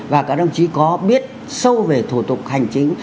và các đồng chí có biết sâu về thủ tục hành chính